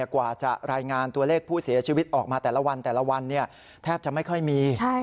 กว่าจะรายงานตัวเลขผู้เสียชีวิตออกมาแต่ละวันแต่ละวันแทบจะไม่ค่อยมี